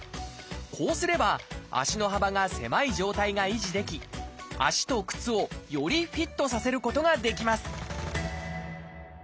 こうすれば足の幅が狭い状態が維持でき足と靴をよりフィットさせることができます